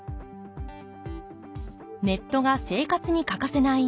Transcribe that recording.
ネットが生活に欠かせない